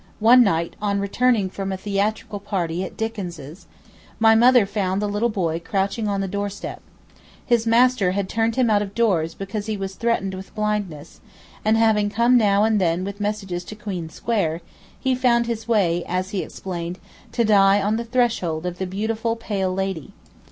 One night, on returning from a theatrical party at Dickens', my mother found the little boy crouching on the doorstep. His master had turned him out of doors because he was threatened with blindness, and having come now and then with messages to Queen Square, he found his way, as he explained, 'to die on the threshold of the beautiful pale lady.